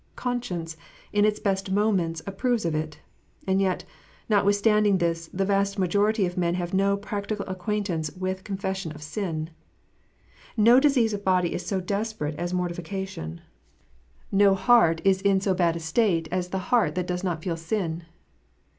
Conscience, in its best moments, approves of it. And yet, notwithstanding this, the vast majority of men have no practical acquaintance with confession of sin | No disease of body is so desperate as mortification. 264 KNOTS UNTIED. No heart is in so bad a state as the heart that does not feel sin.